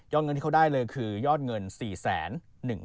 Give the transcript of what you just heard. ยอดเงินที่เขาได้คือยอดเงิน๔๑๔๑๒๗บาท